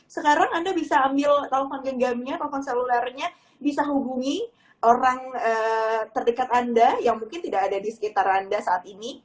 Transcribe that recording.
sekarang anda bisa ambil telepon genggamnya telepon selulernya bisa hubungi orang terdekat anda yang mungkin tidak ada di sekitar anda saat ini